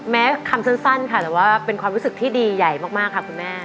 แม้คำสั้นค่ะแต่ว่าเป็นความรู้สึกที่ดีใหญ่มากค่ะคุณแม่